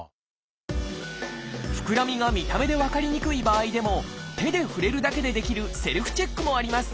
ふくらみが見た目で分かりにくい場合でも手で触れるだけでできるセルフチェックもあります。